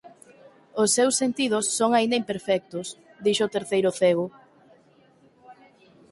“Os seus sentidos son aínda imperfectos”, dixo o terceiro cego.